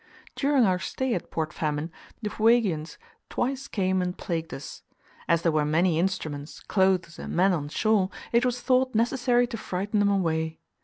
During our stay at Port Famine, the Fuegians twice came and plagued us. As there were many instruments, clothes, and men on shore, it was thought necessary to frighten them away.